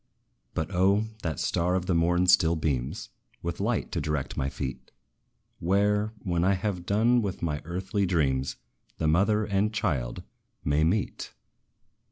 But, O! that STAR of the morn still beams With light to direct my feet Where, when I have done with my earthly dreams, The mother and child may meet.